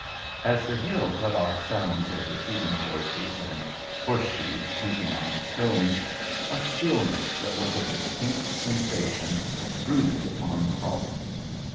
As the hill cut off sounds of retreating voices and horseshoes clinking on the stones, a stillness that was a distinct sensation brooded upon the hollow.